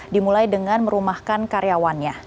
dimulai dengan merumahkan karyawannya